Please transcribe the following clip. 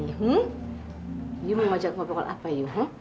hyu mau ngajak ngobrol apa yuk